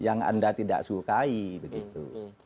yang anda tidak sukai begitu